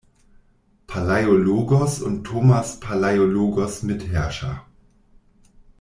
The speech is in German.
Palaiologos und Thomas Palaiologos Mitherrscher.